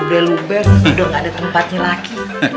udah lubes udah gak ada tempatnya lagi